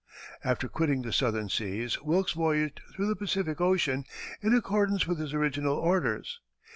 After quitting the Southern seas, Wilkes voyaged through the Pacific Ocean, in accordance with his original orders.